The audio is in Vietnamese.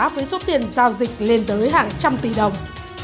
với số tiền giao dịch lên tới hàng trăm tỷ đồng